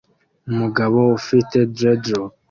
umugabo ufite dreadlock